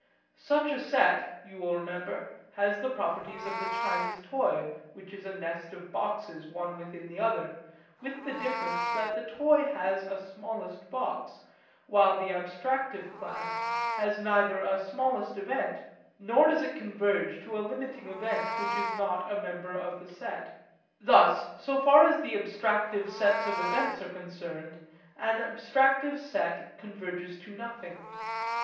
Such a set, as you will remember, has the properties of the Chinese toy which is a nest of boxes, one within the other, with the difference that the toy has a smallest box, while the abstractive class has neither a smallest event nor does it converge to a limiting event which is not a member of the set. Thus, so far as the abstractive sets of events are concerned, an abstractive set converges to nothing.